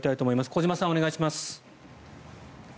小島さん、お願いします。